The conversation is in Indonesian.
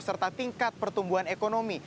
serta tingkat pertumbuhan ekonomi